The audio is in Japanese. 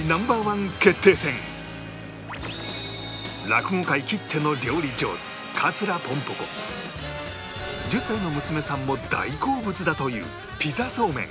落語界きっての料理上手１０歳の娘さんも大好物だというピザそうめん